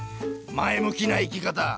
前向きな生き方！